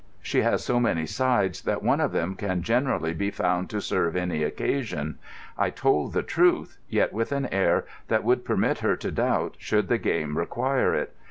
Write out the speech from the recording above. She has so many sides that one of them can generally be found to serve any occasion. I told the truth, yet with an air that would permit her to doubt, should the game require it.